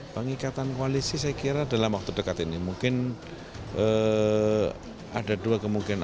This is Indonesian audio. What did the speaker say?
pengikatan koalisi saya kira dalam waktu dekat ini mungkin ada dua kemungkinan